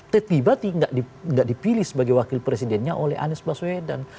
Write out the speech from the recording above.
tertiba tidak dipilih sebagai wakil presidennya oleh anies baswedan